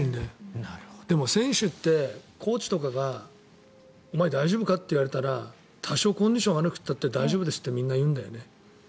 でも選手ってコーチとかにお前、大丈夫かって言われたら多少コンディション悪くったって大丈夫ですってみんな言うんだよね。